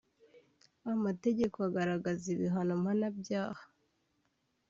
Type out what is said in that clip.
amategeko agaragaza ibihano mpanabyaha